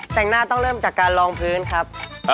แต่งหน้าต้องเริ่มจากการลองพื้นครับ